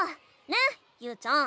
ねゆうちゃん。